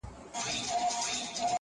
o شين د شانه معلومېږي.